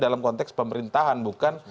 dalam konteks pemerintahan bukan